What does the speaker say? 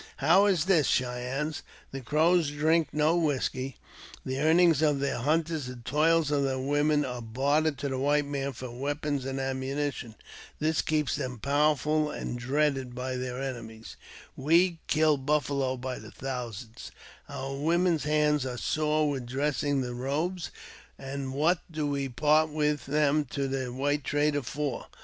How is this, Cheyennes? The Crows drink no whisky. The earnings o their hunters and toils of their women are bartered to the white man for weapons and ammunition. This keeps them I 880 AUTOBIOGBAPHY OF powerful and dreaded by their enemies. We kill buffalo by the thousand; our women's hands are sore with dressing ^ the robes ; and what do we part with them to the white trader ■ for?